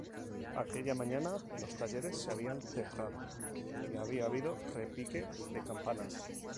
Aquella mañana los talleres se habían cerrado y había habido repique de campanas.